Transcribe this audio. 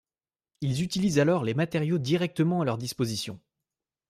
Ils utilisent alors les matériaux directement à leur disposition.